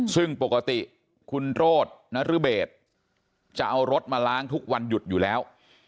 ซึ่งปกติคุณโรธนรเบศจะเอารถมาล้างทุกวันหยุดอยู่แล้ว